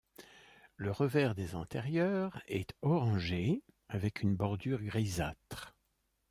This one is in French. Le revers des antérieures est orangé avec une bordure grisâtre.